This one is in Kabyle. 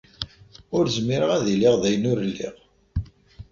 Ur zmireɣ ad iliɣ d ayen ur lliɣ.